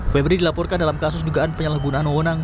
febri dilaporkan dalam kasus dugaan penyalahgunaan wawonang